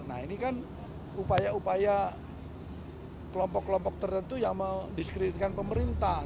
nah ini kan upaya upaya kelompok kelompok tertentu yang mendiskreditkan pemerintah